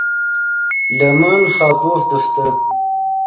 لے من خاپوف دیفتے